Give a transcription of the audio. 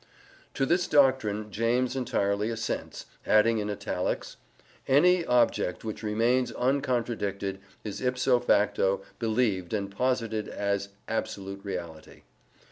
To this doctrine James entirely assents, adding in italics: "ANY OBJECT WHICH REMAINS UNCONTRADICTED IS IPSO FACTO BELIEVED AND POSITED AS ABSOLUTE REALITY."